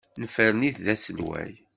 Nefren-it d aselway.